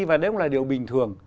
và đấy cũng là điều bình thường